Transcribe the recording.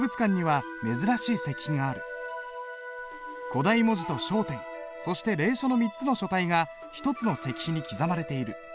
古代文字と小篆そして隷書の３つの書体が１つの石碑に刻まれている。